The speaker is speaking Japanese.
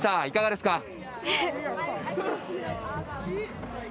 いかがですか？